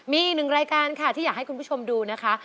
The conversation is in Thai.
มีอีกหนึ่งรายการค่ะที่อยากให้คุณผู้ชมดูนะคะ